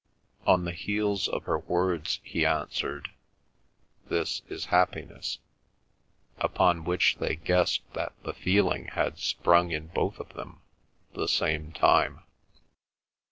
On the heels of her words he answered, "This is happiness," upon which they guessed that the feeling had sprung in both of them the same time.